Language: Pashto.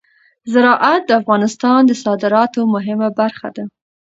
زراعت د افغانستان د صادراتو مهمه برخه ده.